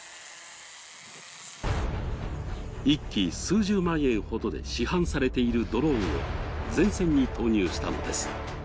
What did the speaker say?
１機・数十万円ほどで市販されているドローンを前線に投入したのです。